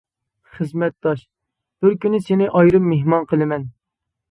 خىزمەتداش: بىر كۈنى سېنى ئايرىم مېھمان قىلىمەن.